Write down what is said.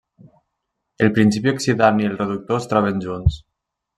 El principi oxidant i el reductor es troben junts.